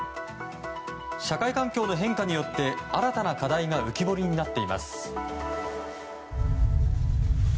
社会環境の変化によって新たな課題が浮き彫りになっています。